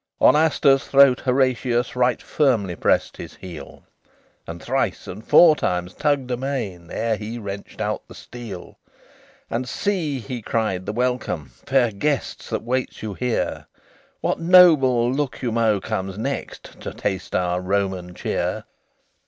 XLVII On Astur's throat Horatius Right firmly pressed his heel, And thrice and four times tugged amain, Ere he wrenched out the steel. "And see," he cried, "the welcome, Fair guests, that waits you here! What noble Lucomo comes next To taste our Roman cheer?"